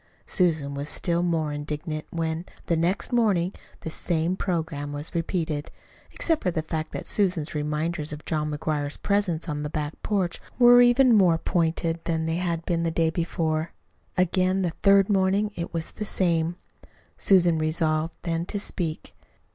Susan was still more indignant when, the next morning, the same programme was repeated except for the fact that Susan's reminders of John McGuire's presence on the back porch were even more pointed than they had been on the day before. Again the third morning it was the same. Susan resolved then to speak.